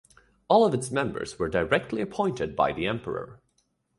All of its members were directly appointed by the Emperor.